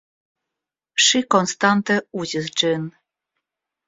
Ŝi konstante uzis ĝin.